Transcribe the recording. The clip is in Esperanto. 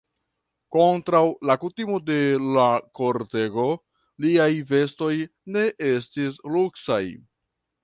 Kontraŭ la kutimo de l' kortego, liaj vestoj ne estis luksaj.